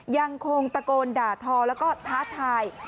ยังคงตะโกนด่าทอแล้วก็ท้าทาย